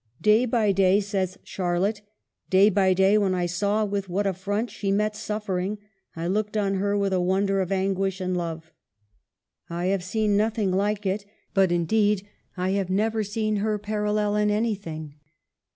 " Day by day," says Charlotte, " day by day, when I saw with what a front she met suffering; I looked on her with a wonder of anguish and love. I have seen nothing like it ; but, indeed, I have never seen her parallel in anything.